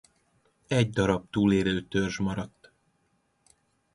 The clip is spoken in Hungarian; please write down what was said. Egy darab túlélő törzs maradt.